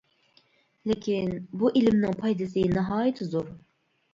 لېكىن بۇ ئىلىمنىڭ پايدىسى ناھايىتى زور.